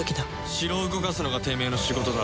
城動かすのがてめえの仕事だ。